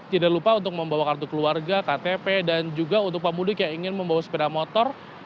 tidak lupa untuk membawa kartu keluarga ktp dan juga untuk pemudik yang ingin membawa sepeda motor